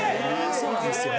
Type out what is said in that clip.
そうなんですよ。